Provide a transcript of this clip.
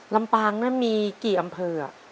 ลำปางมีกี่อำเภอ